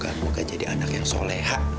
kamu kan jadi anak yang soleha